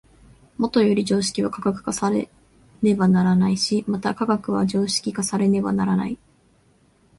もとより常識は科学化されねばならないし、また科学は常識化されねばならない。